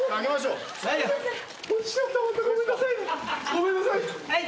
ごめんなさい。